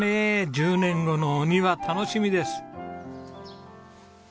１０年後のお庭楽しみです。